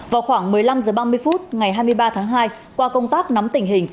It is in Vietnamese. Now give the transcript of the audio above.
vào khoảng một mươi năm h ba mươi phút ngày hai mươi ba tháng hai qua công tác nắm tình hình